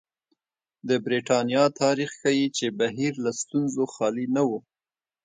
د برېټانیا تاریخ ښيي چې بهیر له ستونزو خالي نه و.